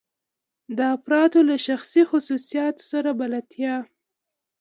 د افرادو له شخصي خصوصیاتو سره بلدیت.